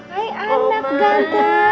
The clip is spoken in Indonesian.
hai anak ganda